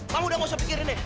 ma udah gak usah pikirin ya